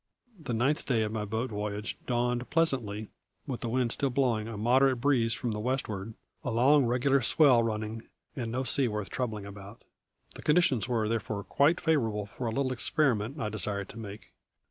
The ninth day of my boat voyage dawned pleasantly, with the wind still blowing a moderate breeze from the westward, a long, regular swell running, and no sea worth troubling about. The conditions were therefore quite favourable for a little experiment I desired to make.